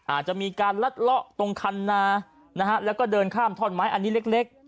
อาจจะมีการลัดเลาะตรงคันนานะฮะแล้วก็เดินข้ามท่อนไม้อันนี้เล็ก